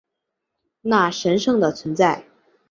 那神圣的存在